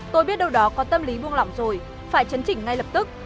tôi biết đâu đó có tâm lý buông lỏng rồi phải chấn chỉnh ngay lập tức